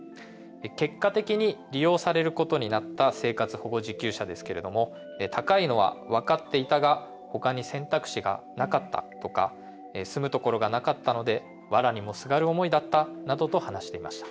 結果的に利用されることになった生活保護受給者ですけれども高いのは分かっていたが他に選択肢がなかったとか住むところがなかったのでわらにもすがる思いだったなどと話していました。